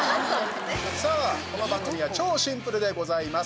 さあ、この番組は超シンプルでございます。